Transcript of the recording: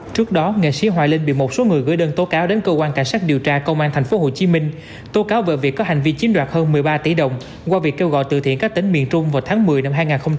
trước đó nghệ sĩ hoài linh bị một số người gửi đơn tố cáo đến cơ quan cảnh sát điều tra công an tp hcm tố cáo về việc có hành vi chiếm đoạt hơn một mươi ba tỷ đồng qua việc kêu gọi từ thiện các tỉnh miền trung vào tháng một mươi năm hai nghìn hai mươi ba